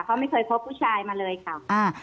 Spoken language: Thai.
เขาไม่เคยพบผู้ชายมาเลยค่ะ